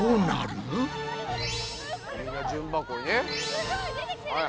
すごい！出てきてるよ！